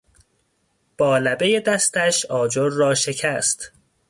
با لبهی دستش آجر را شکست.